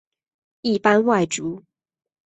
一般外族。